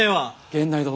源内殿。